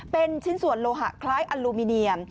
เป็นชิ้นส่วนโลหะคล้ายอลูมิเนียม